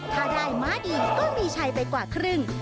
ถ้าได้ม้าดีก็มีชัยไปกว่าครึ่ง